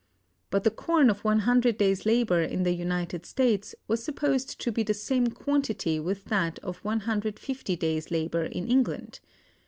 But the corn of 100 days' labor in the United States was supposed to be the same quantity with that of 150 days' labor in England.